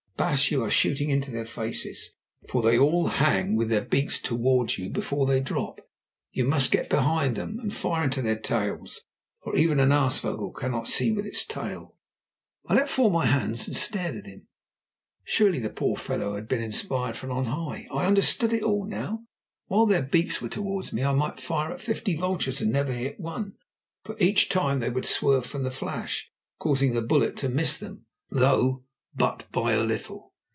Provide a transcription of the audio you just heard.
Baas, you are shooting into their faces, for they all hang with their beaks toward you before they drop. You must get behind them, and fire into their tails, for even an aasvogel cannot see with its tail." I let fall my hands and stared at him. Surely the poor fellow had been inspired from on high! I understood it all now. While their beaks were towards me, I might fire at fifty vultures and never hit one, for each time they would swerve from the flash, causing the bullet to miss them, though but by a little.